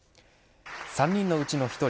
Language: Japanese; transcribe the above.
３人のうちの１人